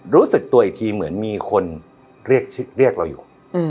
รู้สึกตัวอีกทีเหมือนมีคนเรียกเราอยู่